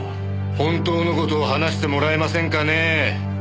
本当の事を話してもらえませんかね？